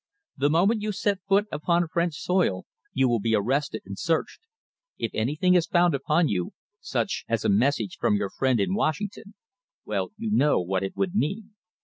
The moment you set foot upon French soil you will be arrested and searched. If anything is found upon you, such as a message from your friend in Washington well, you know what it would mean.